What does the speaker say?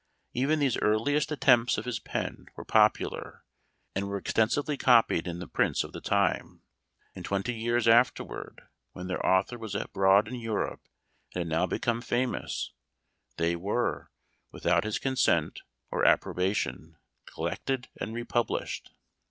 Even these earliest attempts of his pen were popular, and were ex tensively copied in the prints of the time ; and twenty years afterward, when their author was abroad in Europe and had now became famous, they were, without his consent or approbation, collected and republished.